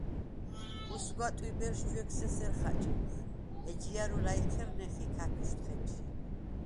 უსგვა, ტვიბერს ჯვეგს ესერ ხაჭიმხ, ეჯჲა̈რუ ლა̈ჲჴერნეხ ი ქაფიშთვხ ეჯჟი.